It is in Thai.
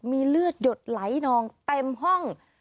มีเลือดหยดไหลนองเต็มห้อง